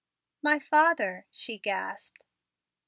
"My father," she gasped.